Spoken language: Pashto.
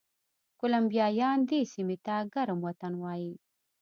کولمبیایان دې سیمې ته ګرم وطن وایي.